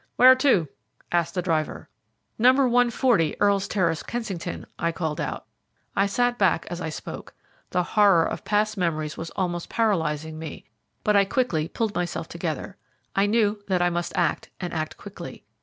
"Where to?" asked the driver. "No. 140, Earl's Terrace, Kensington," I called out. I sat back as I spoke. The horror of past memories was almost paralyzing me, but I quickly pulled myself together. I knew that I must act, and act quickly.